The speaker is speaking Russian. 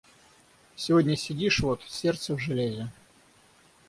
Сегодня сидишь вот, сердце в железе.